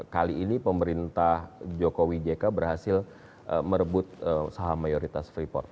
kali ini pemerintah jokowi jk berhasil merebut saham mayoritas freeport